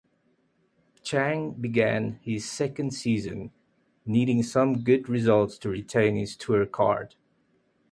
Chang began his second season needing some good results to retain his tour card.